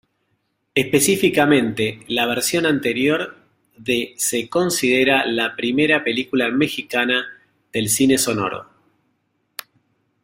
Específicamente, la versión anterior de se considera la primera película mexicana del cine sonoro.